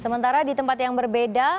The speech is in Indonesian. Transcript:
sementara di tempat yang berbeda